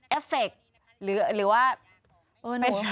เอฟเฟคหรือว่า